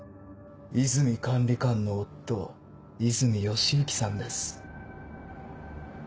和泉管理官の夫和泉義行さんです。